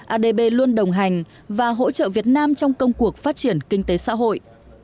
adb luôn đồng hành và hỗ trợ việt nam trong công cuộc phát triển kinh tế xã hội